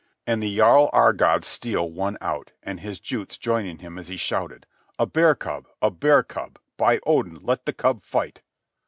And the jarl Agard's steel was out, and his Juts joining him as he shouted: "A bear cub! A bear cub! By Odin, let the cub fight!"